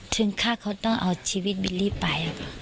ฆ่าเขาต้องเอาชีวิตบิลลี่ไป